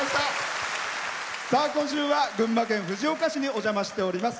今週は群馬県藤岡市にお邪魔しております。